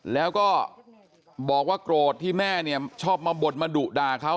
แล้วก็บอกว่าโกรธที่แม่เนี่ยชอบมาบดมาดุด่าเขา